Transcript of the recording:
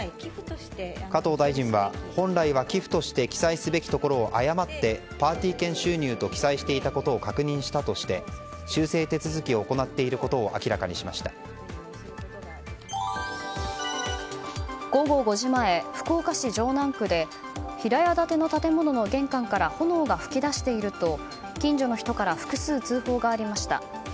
加藤大臣は本来は寄付として記載すべきところを誤ってパーティー券収入と記載していたことを確認していたとして修正手続きを行っていることを午後５時前、福岡市城南区で平屋建ての建物の玄関から炎が噴き出していると近所の人から複数通報がありました。